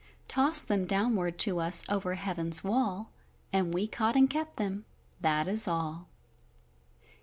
Tossed them downward to us over heaven's wall, And we caught and kept them, that is all.